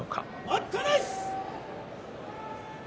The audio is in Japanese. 待ったなし。